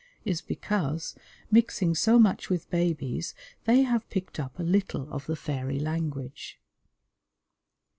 is because, mixing so much with babies, they have picked up a little of the fairy language.